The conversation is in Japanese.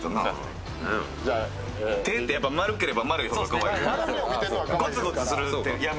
手って、丸ければ丸いほどかわいい。